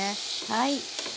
はい。